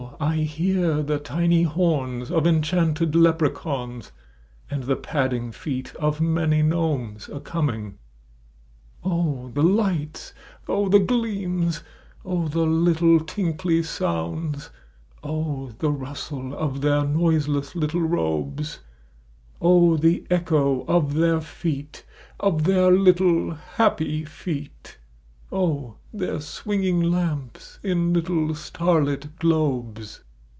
I hear the tiny horns Of enchanted leprechauns And the padding feet of many gnomes a coming ! O ! the lights : O ! the gleams : O ! the little tinkly sound> O ! the rustle of their noiseless little robes : O ! the echo of their feet — of their little happy feet :! their swinging lamps in little starlit globes.